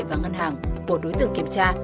và ngân hàng của đối tượng kiểm tra